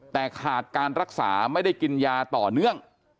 แต่ขาดการรักษาไม่ได้กินยาต่อเนื่อง